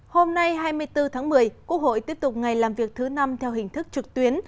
hôm nay hai mươi bốn tháng một mươi quốc hội tiếp tục ngày làm việc thứ năm theo hình thức trực tuyến